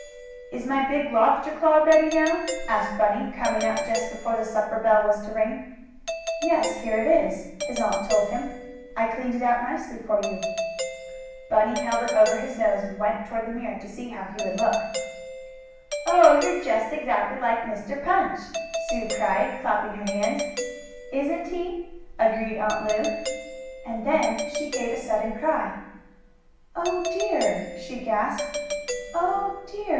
"Is my big lobster claw ready now?" asked Bunny, coming up just before the supper bell was to ring. "Yes, here it is," his aunt told him. "I cleaned it out nicely for you." Bunny held it over his own nose and went toward the mirror to see how he would look. "Oh, you're just exactly like Mr. Punch!" Sue cried, clapping her hands. "Isn't he!" agreed Aunt Lu. And then she gave a sudden cry. "Oh dear!" she gasped. "Oh dear!